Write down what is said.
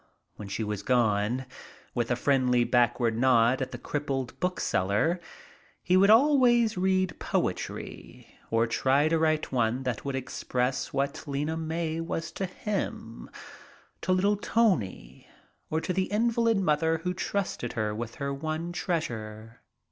When she was gone, with a friendly backward nod at the crippled bookseller, he would always read poetry or try to write one that would express what Lena May was to him, to little Tony, or to the invalid mother who trusted her with her one treasure.